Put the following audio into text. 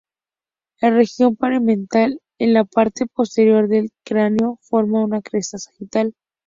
La región parietal en la parte posterior del cráneo forma una cresta sagital.